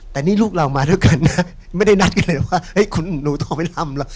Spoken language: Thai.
แต่นี่ลูกเรามาด้วยกันนะไม่ได้นัดกันเลยว่าเฮ้ยคุณหนูต้องไปทำหรอก